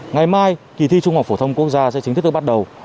ngày mai kỳ thi trung học phổ thông quốc gia sẽ chính thức được bắt đầu